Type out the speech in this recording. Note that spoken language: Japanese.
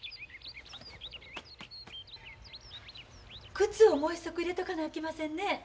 靴をもう一足入れとかなあきませんね。